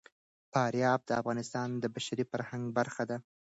فاریاب د افغانستان د بشري فرهنګ برخه ده.